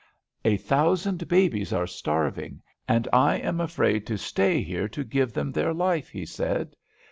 "A thousand babies are starving, and I am afraid to stay here to give them their life," he said.